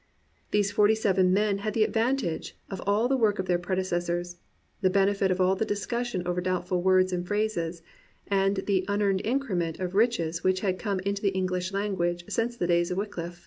These forty seven men had the advantage of all the work of their predecessors, the benefit of all the discussion over doubtful words and phrases, and the "unearned increment" of riches which had come into the English language since the days of Wyclif .